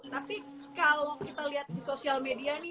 tapi kalau kita lihat di sosial media nih